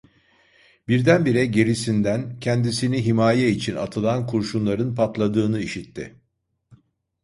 Birdenbire gerisinden kendisini himaye için atılan kurşunların patladığını işitti.